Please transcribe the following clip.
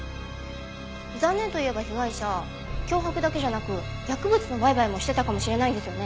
残念といえば被害者脅迫だけじゃなく薬物の売買もしてたかもしれないんですよね。